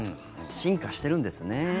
進化してるんですね。